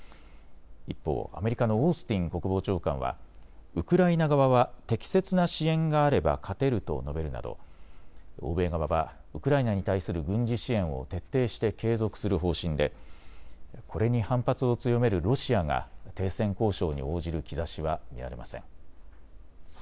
一方、アメリカのオースティン国防長官はウクライナ側は適切な支援があれば勝てると述べるなど欧米側はウクライナに対する軍事支援を徹底して継続する方針でこれに反発を強めるロシアが停戦交渉に応じる兆しは見られません。